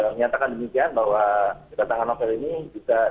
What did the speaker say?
menyatakan demikian bahwa kebetulan novel ini bisa disambut juga kita